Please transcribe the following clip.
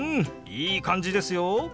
いい感じですよ！